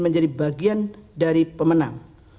menjadi bagian dari pemenang